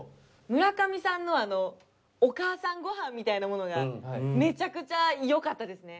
村上さんのあのお母さんご飯みたいなものがめちゃくちゃよかったですね。